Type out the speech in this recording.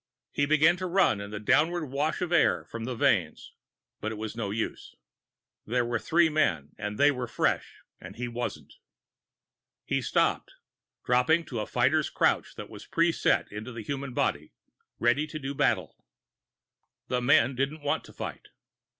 He began to run in the downward wash of air from the vanes. But it was no use. There were three men and they were fresh and he wasn't. He stopped, dropping into the fighter's crouch that is pre set into the human body, ready to do battle. The men didn't want to fight.